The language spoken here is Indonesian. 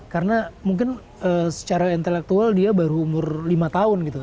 karena mungkin secara intelektual dia baru umur lima tahun gitu